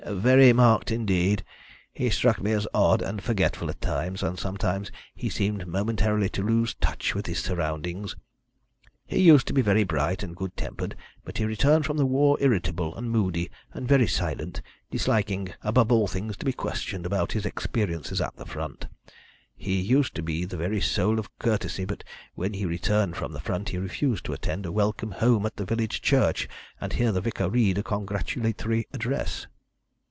"Very marked indeed. He struck me as odd and forgetful at times, and sometimes he seemed momentarily to lose touch with his surroundings. He used to be very bright and good tempered, but he returned from the war irritable and moody, and very silent, disliking, above all things, to be questioned about his experiences at the front. He used to be the very soul of courtesy, but when he returned from the front he refused to attend a 'welcome home' at the village church and hear the vicar read a congratulatory address."